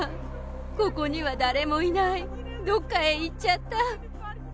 ここには誰もいない、どっかへ行っちゃった。